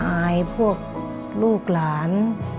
อายพวกลูกหลาน